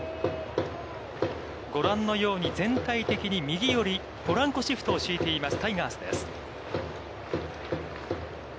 ご覧のように全体的に右寄り、ポランコシフトを敷いています、タイガースです。